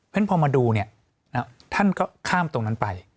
เพราะฉะนั้นพอมาดูเนี่ยท่านก็ข้ามตรงนั้นไป